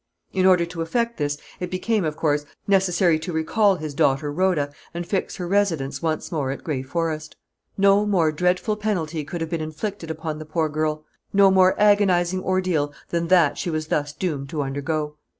In order to effect this it became, of course, necessary to recall his daughter, Rhoda, and fix her residence once more at Gray Forest. No more dreadful penalty could have been inflicted upon the poor girl no more agonizing ordeal than that she was thus doomed to undergo.